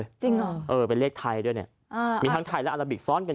จริงเหรอเออเป็นเลขไทยด้วยเนี่ยอ่ามีทั้งไทยและอาราบิกซ้อนกัน